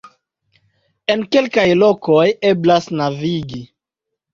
En kelkaj lokoj eblas navigi.